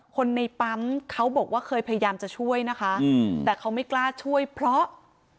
คนในปั๊มเขาบอกว่าเคยพยายามจะช่วยนะคะแต่เขาไม่กล้าช่วยเพราะ